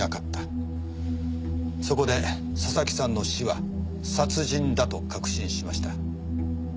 そこで佐々木さんの死は殺人だと確信しました。